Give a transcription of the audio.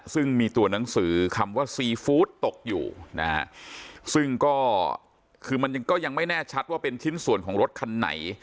ซึ่งมีตัวหนังสือคำว่าซีฟู้ดตกอยู่นะฮะซึ่งก็คือมันก็ยังไม่แน่ชัดว่าเป็นชิ้นส่วนของรถคันไหน